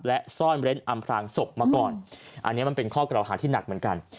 และซ่อนเร้นอำพลางศพมาก่อนอันนี้มันเป็นข้อกล่าวหาที่หนักเหมือนกัน